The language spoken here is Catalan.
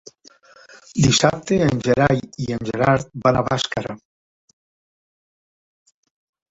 Dissabte en Gerai i en Gerard van a Bàscara.